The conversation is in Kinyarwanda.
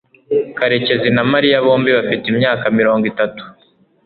karekezi na mariya bombi bafite imyaka mirongo itatu